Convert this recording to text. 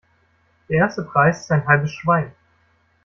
Der erste Preis ist ein halbes Schwein.